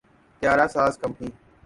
طیارہ ساز کمپنی